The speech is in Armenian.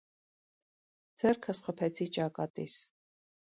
Ձեռքս խփեցի ճակատիս: